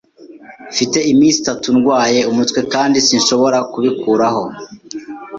Mfite iminsi itatu ndwaye umutwe kandi sinshobora kubikuraho.